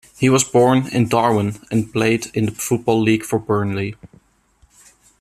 He was born in Darwen and played in the Football League for Burnley.